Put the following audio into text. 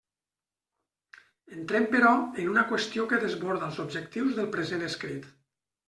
Entrem, però, en una qüestió que desborda els objectius del present escrit.